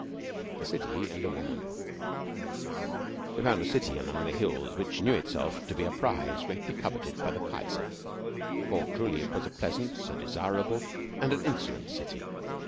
A CITY AND WOMAN We found a city among hills which knew itself to be a prize greatly coveted by the Kaiser. For, truly, it was a pleasant, a desirable, and an insolent city.